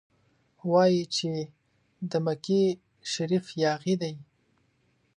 وايي چې د مکې شریف یاغي دی.